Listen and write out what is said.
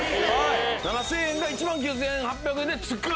７０００円が１万９８００円で付く。